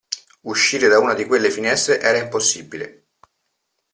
Uscire da una di quelle finestre era impossibile.